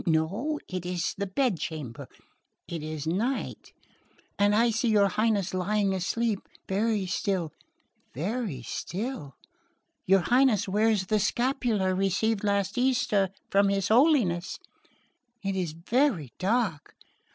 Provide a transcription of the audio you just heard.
no, it is the bedchamber...it is night...and I see your Highness lying asleep...very still...very still...your Highness wears the scapular received last Easter from his Holiness...It is very dark...